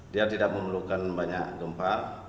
dia tidak memerlukan banyak gempa